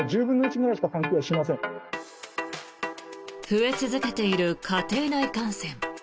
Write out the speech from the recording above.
増え続けている家庭内感染。